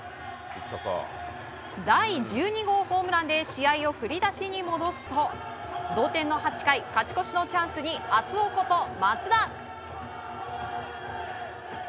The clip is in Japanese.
第１２号ホームランで試合を振り出しに戻すと同点の８回勝ち越しのチャンスに熱男こと松田！